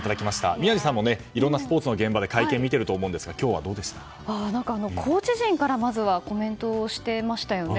宮司さんもいろいろなスポーツの現場で会見を見ていると思うんですがコーチ陣からまずはコメントしてましたよね。